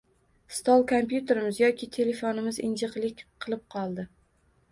Stol kompyuterimiz yoki telefonimiz “injiqlik” qilib qoldi.